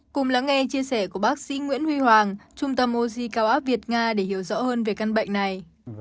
cùng lắng nghe chia sẻ của bác sĩ nguyễn huy hoàng trung tâm oxy cao áp việt nga để hiểu rõ hơn về căn bệnh này